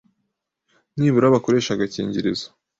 nibura bakoreshe agakingirizo